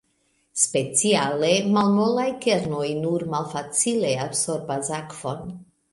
Speciale malmolaj kernoj nur malfacile absorbas akvon.